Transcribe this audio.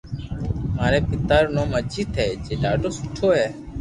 ماري پيتا رو نوم اجيت ھي جي ڌاڌو سٺو ھي